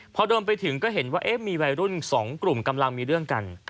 พอเดินไปถึงก็เห็นว่ามีวัยรุ่น๒กลุ่มกำลังมีเรื่องกัน